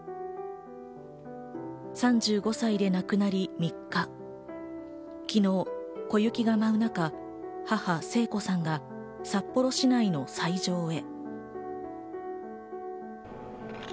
３５歳で亡くなり３日、昨日、小雪が舞う中、母・聖子さんが札幌市内の斎場へ。